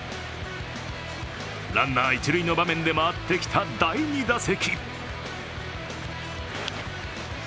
ランナー一塁の場面で回ってきた第２打席。